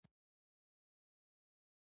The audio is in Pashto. زما په ذهن کې هر وخت دغه خبرې تېرېدې.